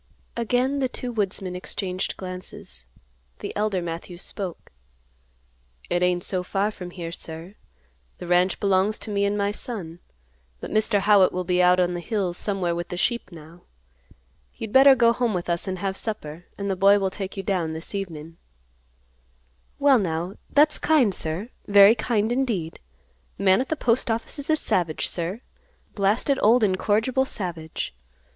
Again the two woodsmen exchanged glances. The elder Matthews spoke, "It ain't so far from here, sir. The ranch belongs to me and my son. But Mr. Howitt will be out on the hills somewhere with the sheep now. You'd better go home with us and have supper, and the boy will take you down this evenin'." "Well, now, that's kind, sir; very kind, indeed. Man at the Postoffice is a savage, sir; blasted, old incorrigible savage.